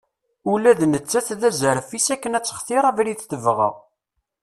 Ula d nettat d aẓref-is akken ad textir abrid tebɣa.